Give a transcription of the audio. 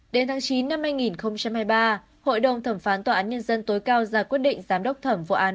đến tháng chín năm hai nghìn hai mươi ba hội đồng thẩm phán tòa án nhân dân tối cao ra quyết định giám đốc thẩm vụ án